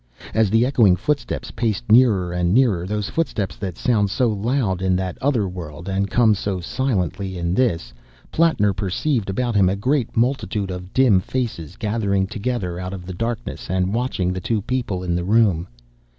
As the echoing footsteps paced nearer and nearer, those footsteps that sound so loud in that Other World and come so silently in this, Plattner perceived about him a great multitude of dim faces gathering together out of the darkness and watching the two people in the room.